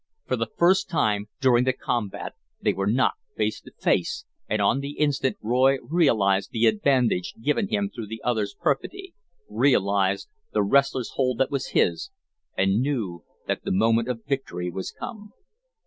For the first time during the combat they were not face to face, and on the instant Roy realized the advantage given him through the other's perfidy, realized the wrestler's hold that was his, and knew that the moment of victory was come.